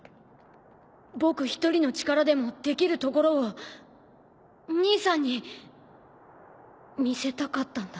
僕一人の力でもできるところを兄さんに見せたかったんだ。